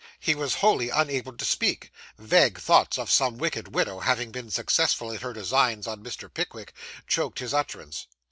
He was wholly unable to speak; vague thoughts of some wicked widow having been successful in her designs on Mr. Pickwick, choked his utterance.